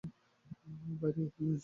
বাইরে কীভাবে যাব?